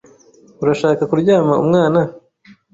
Urashaka kuryama umwana?